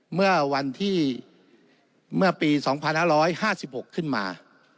เมื่อวันที่เมื่อปี๒๕๕๖ขึ้นมา